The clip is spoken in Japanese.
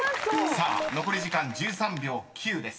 ［さあ残り時間１３秒９です］